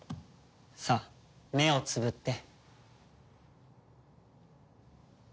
さあ目をつぶって。